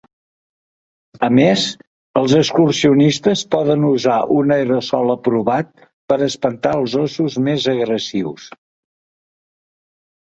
A més, els excursionistes poden usar un aerosol aprovat per espantar els ossos més agressius.